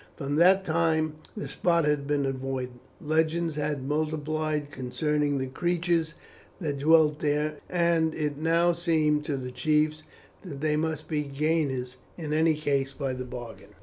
From that time the spot had been avoided. Legends had multiplied concerning the creatures that dwelt there, and it now seemed to the chiefs that they must be gainers in any case by the bargain.